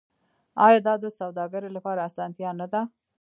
آیا دا د سوداګرۍ لپاره اسانتیا نه ده؟